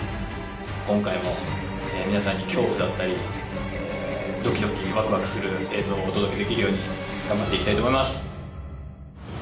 今回も皆さんに恐怖だったりドキドキワクワクする映像をお届けできるように頑張って行きたいと思います！